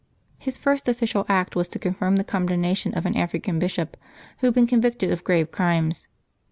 His first official act was to confirm the condemna tion of an African bishop who had been convicted of grave crimes.